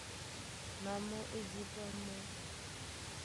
Na mɔ́ á dípá mɔ́.